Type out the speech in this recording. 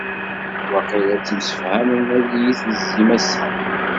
Waqila temsefhamem ad iyi-tezzim ass-a.